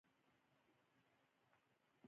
خپل نظر دې خپلو ټولګیوالو ته څرګند کړي.